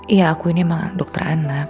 iya aku ini memang dokter anak